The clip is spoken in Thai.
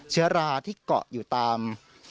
เชื้อราที่เกาะอยู่ตาม